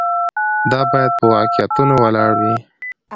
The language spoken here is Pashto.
دا باید په واقعیتونو ولاړ وي.